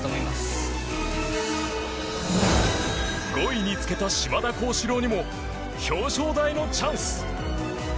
５位につけた島田高志郎にも表彰台のチャンス。